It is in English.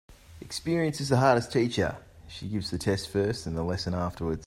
Experience is the hardest teacher. She gives the test first and the lesson afterwards.